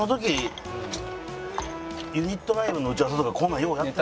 ユニットライブの打ち合わせとかこんなんようやってたな。